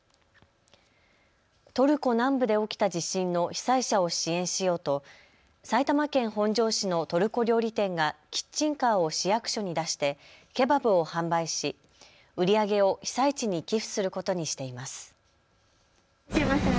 トルコ南部で起きた地震の被災者を支援しようと埼玉県本庄市のトルコ料理店がキッチンカーを市役所に出してケバブを販売し売り上げを被災地に寄付することにしています。